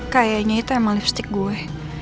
kayaknya itu emang lipstick gue